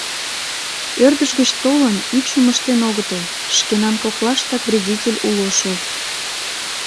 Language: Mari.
Ӧрдыж гыч толын, ӱчым ыштен огытыл, шкенан коклаштак вредитель уло шол...